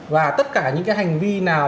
và tất cả những cái hành vi nào